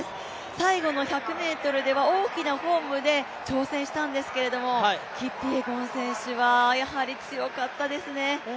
最後の１００ｍでは大きなフォームで挑戦したんですけど、キプイエゴン選手はやはり強かったですね。